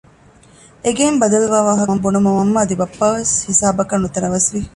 އެގެއިން ބަދަލުވާ ވާހަކަ ބުނުމުން މަންމަ އަދި ބައްޕަވެސް ހިސާބަކަށް ނުތަނަވަސްވި